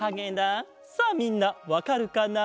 さあみんなわかるかな？